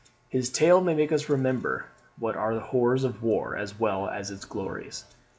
His tale may make us remember what are the horrors of war as well as its glories.